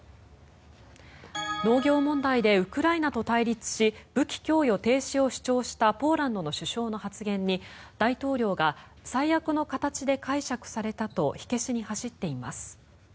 農業問題でウクライナと対立し武器供与停止を主張したポーランドの首相の発言に大統領が最悪の形で解釈されたと火消しに走っています。